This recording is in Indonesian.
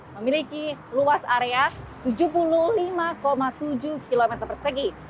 memiliki luas area tujuh puluh lima tujuh km persegi